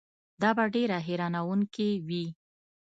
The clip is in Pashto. دا به ډېره حیرانوونکې وي.